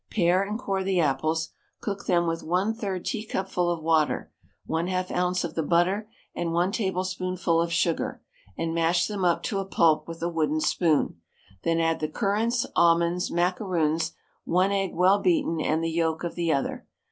Pare and core the apples, cook them with 1/3 teacupful of water, 1/2 oz. of the butter, and 1 tablespoonful of sugar, and mash them up to a pulp with a wooden spoon; then add the currants, almonds, macaroons, 1 egg well beaten, and the yolk of the other.